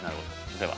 では。